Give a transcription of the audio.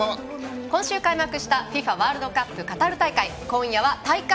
今週開幕した「ＦＩＦＡワールドカップカタール大会」